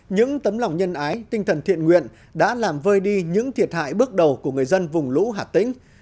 những tấm lòng nhân ái tinh thần thiện nguyện đã làm vơi đi những thiệt hại bước đầu của người dân vùng lũ hà tĩnh